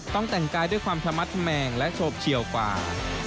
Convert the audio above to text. แต่งกายด้วยความชะมัดแมงและโฉบเฉียวกว่า